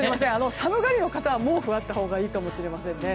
寒がりの方は毛布があったほうがいいかもしれませんね。